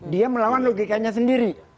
dia melawan logikanya sendiri